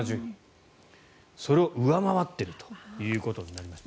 それを上回っているということになります。